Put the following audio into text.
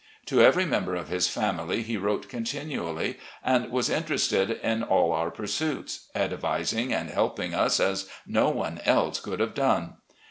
To every member of his family he wrote continually, and was interested in all our pursuits, advising and helping us as no one else could have done.